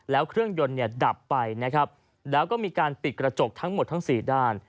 แล้วเครื่องยนต์เนี่ยดับไปนะครับแล้วก็มีการปิดกระจกทั้งหมดทั้งสี่ด้าน